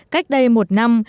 cách đây một năm